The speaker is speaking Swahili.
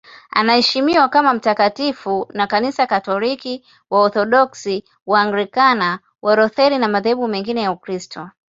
Anaheshimiwa kama mtakatifu na Kanisa Katoliki, Waorthodoksi, Waanglikana, Walutheri na madhehebu mengine ya Ukristo.